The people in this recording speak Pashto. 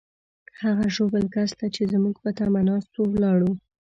هغه ژوبل کس ته چې زموږ په تمه ناست وو، ولاړو.